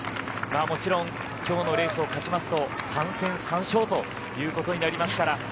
もちろんきょうのレースを勝ちますと３戦３勝ということになりますから。